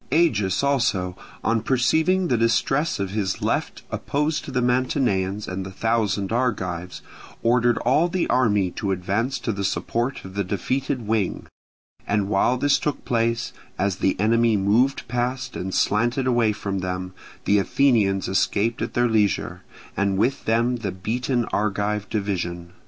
Agis also on perceiving the distress of his left opposed to the Mantineans and the thousand Argives, ordered all the army to advance to the support of the defeated wing; and while this took place, as the enemy moved past and slanted away from them, the Athenians escaped at their leisure, and with them the beaten Argive division.